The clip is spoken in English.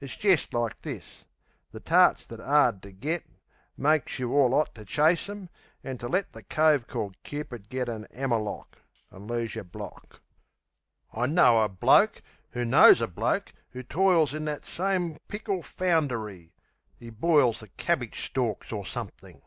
It's jest like this. The tarts that's 'ard ter get Makes you all 'ot to chase 'em, an' to let The cove called Cupid get an 'ammer lock; An' lose yer block. I know a bloke 'oo knows a bloke 'oo toils In that same pickle found ery. ('E boils The cabbitch storks or somethink.)